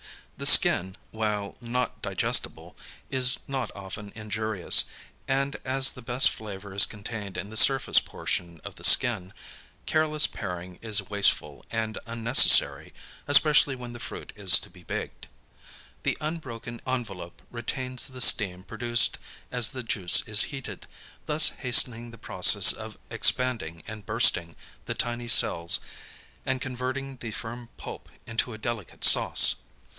The skin, while not digestible, is not often injurious, and as the best flavor is contained in the surface portion of the apple, careless paring is wasteful and unnecessary, especially when the fruit is to be baked. The unbroken envelope retains the steam produced as the juice is heated, thus hastening the process of expanding and bursting the tiny cells and converting the firm pulp into a delicate sauce.